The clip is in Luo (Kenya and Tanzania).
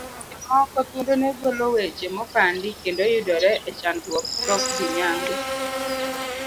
Seche moko, thuondo ne golo weche mopandi, kendo yudore e chandruok tok dhi nyango.